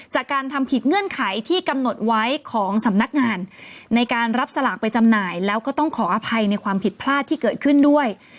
จากการทำผิดเงื่อนไขที่กำหนดไว้ของสำนักงานในการรับสลากไปจำหน่ายแล้วก็ต้องขออภัยในความผิดพลาดที่เกิดขึ้นด้วย